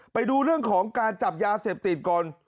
ไปดูเรื่องของการจับยาเสพติดก่อน